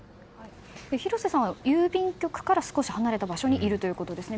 広瀬さん、郵便局から少し離れた場所にいるということですね。